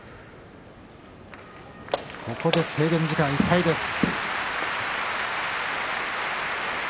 ここで制限時間いっぱいです。